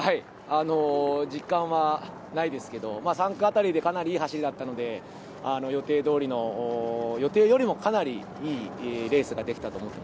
実感はないですけど、３区辺りでかなりいい走りだったので予定よりもかなりいいレースができたと思います。